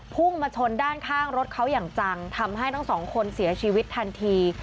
พุ่งมาชนด้านข้างรถเขาอย่างจังทำให้ทั้งสองคนเสียชีวิตทันที